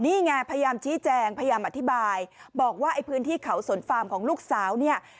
นี่ไงพยายามชี้แจงพยายามอธิบายบอกว่าไอ้พื้นที่เขาสนฟาร์มของลูกสาวเนี่ย